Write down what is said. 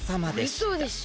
うそでしょ。